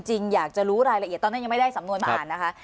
จริงอยากจะรู้รายละเอียดตอนนั้นยังไม่ได้สำนวนมาอ่านนะคะ